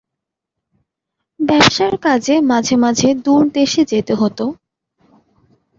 ব্যবসার কাজে মাঝে মাঝে দূর দেশে যেতে হত।